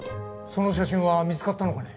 その写真は見つかったのかね？